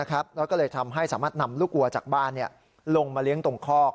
แล้วก็เลยทำให้สามารถนำลูกวัวจากบ้านลงมาเลี้ยงตรงคอก